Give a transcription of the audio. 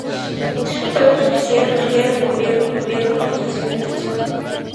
Fue oficial mayor de gobierno en la administración del Lic.